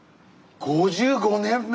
５５年目！